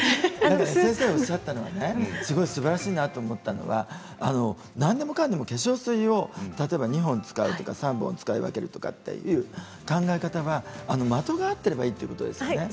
先生がおっしゃったのですばらしいなと思ったのは何でもかんでも化粧水を２本３本使うっていう考え方は、的が合っていればいいということですね？